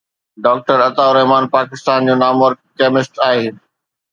doctor Atta ur Rahman Pakistan جو نامور chemist آهي